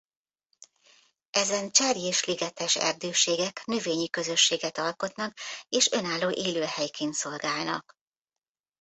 Ezen cserjés-ligetes erdőségek növényi közösséget alkotnak és önálló élőhelyként szolgálnak.